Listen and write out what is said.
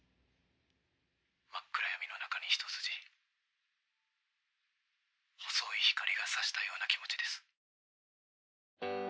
真っ暗闇の中に一筋細い光がさしたような気持ちです。